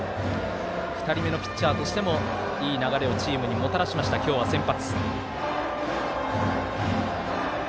２人目のピッチャーとしてもいい流れをチームにもたらしました、今日は先発。